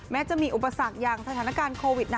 จะมีอุปสรรคอย่างสถานการณ์โควิดนะ